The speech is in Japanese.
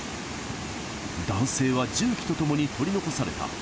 男性は重機とともに取り残された。